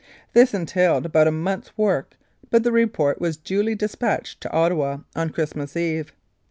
This entailed about a month's work, but the report was duly dispatched to Ottawa on Christmas Eve.